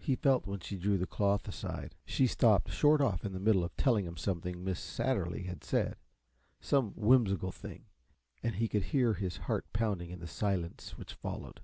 He felt when she drew the cloth aside; she stopped short off in the middle of telling him something Miss Satterly had said some whimsical thing and he could hear his heart pounding in the silence which followed.